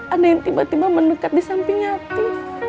ada yang tiba tiba mendekat di samping nyatu